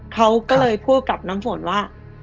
เขาก็เลยพูดกับหนึ่งว่า